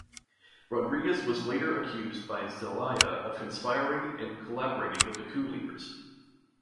Rodriguez was later accused by Zelaya of conspiring and collaborating with the coup leaders.